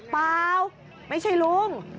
เปล่าไม่ใช่ลุง